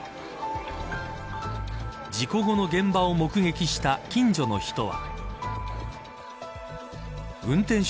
事故後の現場を目撃した近所の人は。